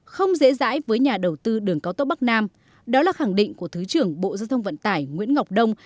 không dễ dãi với nhà đầu tư đường cao tốc bắc nam đó là khẳng định của thứ trưởng bộ giao thông vận tải nguyễn ngọc đông